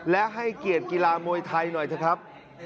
และให้เกียรติกีฬามวยไทยหน่อยเถอะครับ